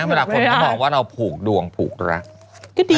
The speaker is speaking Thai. บางคนก็บอกว่าเราผูกดวงผูกรัก